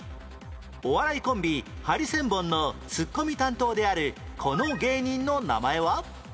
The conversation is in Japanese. お笑いコンビハリセンボンのツッコミ担当であるこの芸人の名前は？